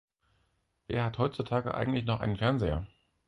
Wer hat heutzutage eigentlich noch einen Fernseher?